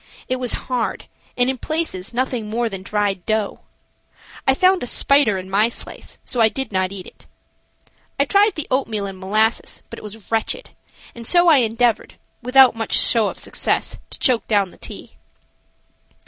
It was hard, and in places nothing more than dried dough. I found a spider in my slice, so I did not eat it. I tried the oatmeal and molasses, but it was wretched, and so I endeavored, but without much show of success, to choke down the tea.